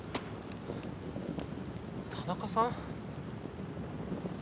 田中さん？